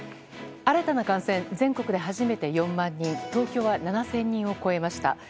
新たな感染、全国で初めて４万人東京は７０００人を超えました。